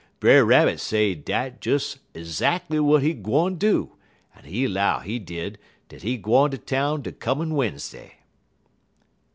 Brer Rabbit say dat des zackly w'at he gwine do, en he 'low, he did, dat he gwine ter town de comin' We'n'sday."